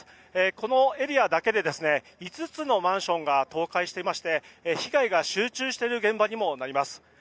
このエリアだけで５つのマンションが倒壊していまして、被害が集中している現場にもなります。